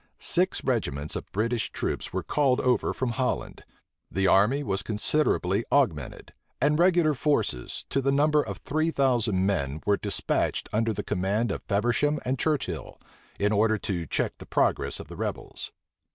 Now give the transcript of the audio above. Six regiments of British troops were called over from Holland: the army was considerably augmented: and regular forces, to the number of three thousand men, were despatched under the command of Feversham and Churchill, in order to check the progress of the rebels.